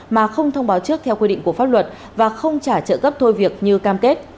mà không thông báo trước theo quy định của pháp luật và không trả trợ cấp thôi việc như cam kết